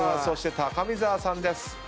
そして高見沢さんです。